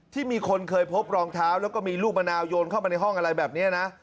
ที่มีคนเคยพบรองเท้าแล้วก็มีลูกมะนาวโยนเข้ามาในห้องอะไรแบบนี้นะ